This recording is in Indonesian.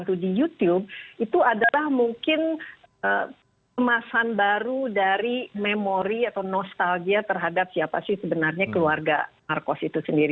itu di youtube itu adalah mungkin kemasan baru dari memori atau nostalgia terhadap siapa sih sebenarnya keluarga marcos itu sendiri